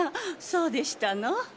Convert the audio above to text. そうでしたの？